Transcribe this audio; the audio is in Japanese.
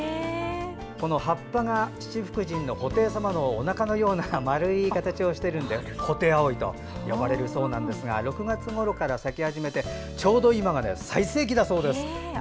葉っぱが七福神の布袋様のおなかのような丸い形をしているのでホテイアオイと呼ばれるそうで６月ごろから咲き始めてちょうど今が最盛期だそうです。